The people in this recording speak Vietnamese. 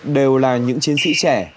đều là những chiến sĩ trẻ